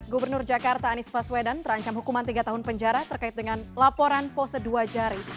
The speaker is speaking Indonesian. gubernur jakarta anies baswedan terancam hukuman tiga tahun penjara terkait dengan laporan pose dua jari